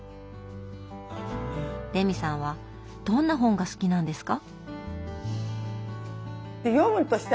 レミさんはどんな本が好きなんですか？